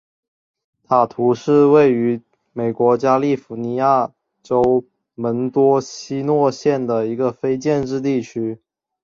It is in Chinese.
塔图是位于美国加利福尼亚州门多西诺县的一个非建制地区。